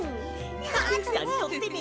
たくさんとってね！